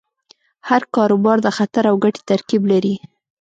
هر کاروبار د خطر او ګټې ترکیب لري.